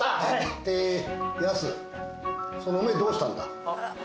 ってヤスその目どうしたんだ？